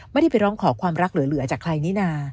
ไม่ได้ไปร้องขอความรักเหลือจากใครนี่นา